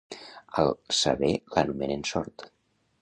Al saber l'anomenen sort.